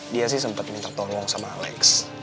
dia sih sempat minta tolong sama alex